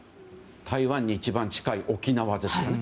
台湾に一番近い沖縄ですよね。